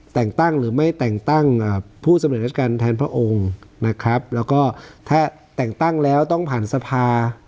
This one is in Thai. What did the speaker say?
แต่งตั้งหรือไม่แต่งตั้งผู้สำเร็จราชการแทนพระองค์นะครับแล้วก็ถ้าแต่งตั้งแล้วต้องผ่านสภา